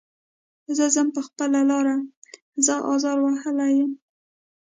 زه ځم په خپله لاره زه ازار وهلی یم.